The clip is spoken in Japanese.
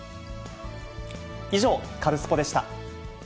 以上、カルスポっ！でした。